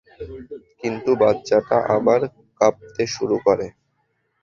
কিন্তু বাচ্চাটা আবার কাঁপতে শুরু করে।